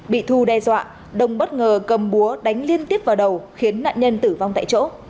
bị thu đe dọa đồng bất ngờ cầm búa đánh liên tiếp vào đầu khiến nạn nhân tử vong tại chỗ